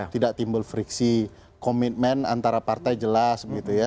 tidak timbul friksi komitmen antara partai jelas